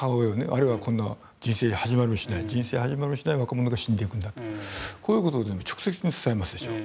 あるいはこんな人生始まりもしない若者が死んでいくんだとこういう事を直接に伝えますでしょ。